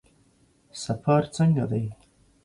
سفر څنګه دی؟